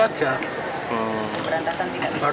aha menjual korban dari media sosial